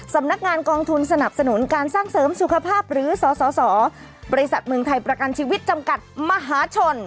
สำนักงานกองทุนสนับสนุนการสร้างเสริมสุขภาพหรือสสบริษัทเมืองไทยประกันชีวิตจำกัดมหาชน